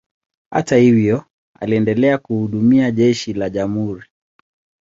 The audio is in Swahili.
Hata hivyo, aliendelea kuhudumia jeshi la jamhuri.